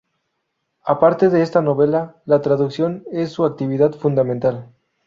Aparte de esta novela, la traducción es su actividad fundamental.